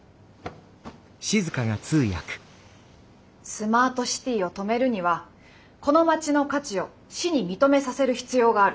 スマートシティを止めるにはこの町の価値を市に認めさせる必要がある。